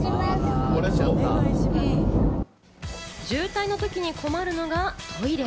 渋滞のときに困るのがトイレ。